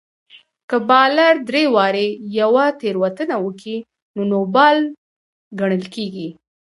که بالر درې واري يوه تېروتنه وکي؛ نو نو بال ګڼل کیږي.